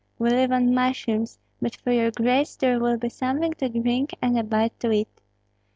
We live on mushrooms; but for your grace there will be something to drink and a bite to eat.